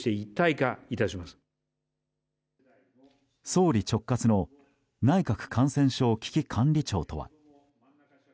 総理直轄の内閣感染症危機管理庁とは。